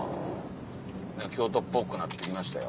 京都っぽくなってきましたよ。